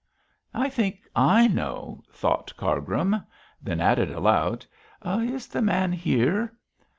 'I think I know,' thought Cargrim; then added aloud, 'Is the man here?'